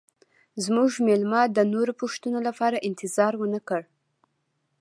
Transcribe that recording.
زموږ میلمه د نورو پوښتنو لپاره انتظار ونه کړ